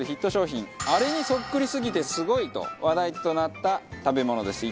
あれにそっくりすぎてすごいと話題となった食べ物です。